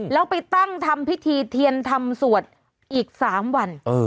แล้วไปตั้งทำพิธีเทียนทำสวดอีก๓วัน